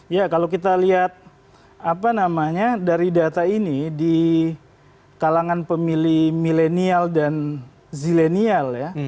ya kalau kita lihat apa namanya dari data ini di kalangan pemilih milenial dan zilenial ya